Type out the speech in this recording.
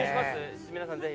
皆さんぜひ。